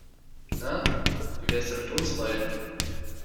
Na, wie wär's denn mit uns beiden?